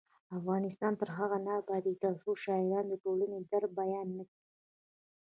افغانستان تر هغو نه ابادیږي، ترڅو شاعران د ټولنې درد بیان نکړي.